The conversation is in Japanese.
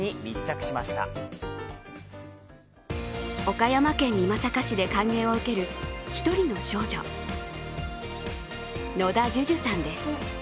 岡山県美作市で歓迎を受ける一人の少女野田樹潤さんです。